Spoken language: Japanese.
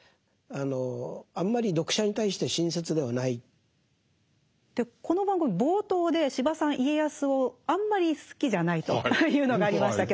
そうするとこの番組冒頭で司馬さん家康をあんまり好きじゃないというのがありましたけども。